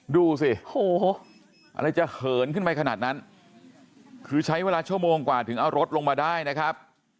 ดูสิโอ้โหอะไรจะเหินขึ้นไปขนาดนั้นคือใช้เวลาชั่วโมงกว่าถึงเอารถลงมาได้นะครับ